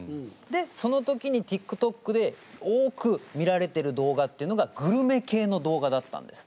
でその時にティックトックで多く見られてる動画っていうのがグルメ系の動画だったんです。